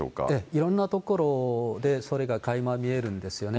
いろんなところで、それが垣間見えるんですよね。